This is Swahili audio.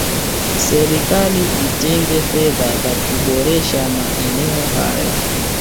serikali itenge fedha za kuboresha maene hayo